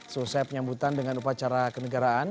selesai penyambutan dengan upacara kenegaraan